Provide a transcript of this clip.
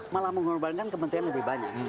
malah mengorbankan kementerian lebih banyak